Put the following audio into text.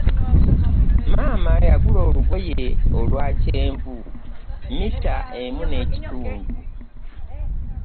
Maama yagula olugoye olwa kyenvu miita emu n'ekitundu.